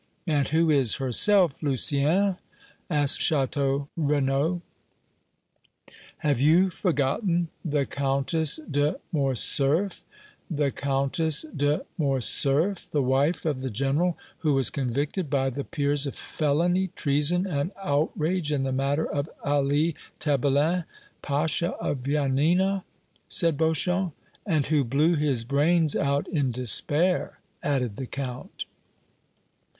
"And who is herself, Lucien?" asked Château Renaud. "Have you forgotten the Countess de Morcerf?" "The Countess de Morcerf? the wife of the general who was convicted by the peers of felony, treason and outrage in the matter of Ali Tebelen, Pacha of Yanina?" said Beauchamp. "And who blew his brains out in despair?" added the Count.